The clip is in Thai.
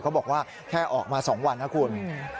เขาบอกว่าแค่ออกมา๒วันนะคุณ